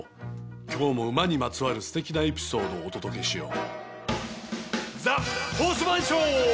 今日も馬にまつわるすてきなエピソードをお届けしよう。